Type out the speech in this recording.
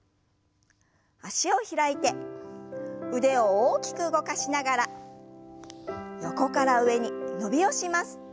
脚を開いて腕を大きく動かしながら横から上に伸びをします。